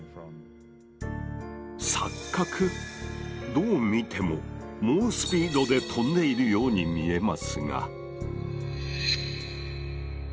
どう見ても猛スピードで飛んでいるように見えますが？